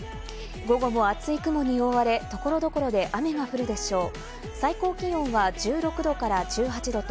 午後も厚い雲に覆われ、所々で雨が降るでしょう。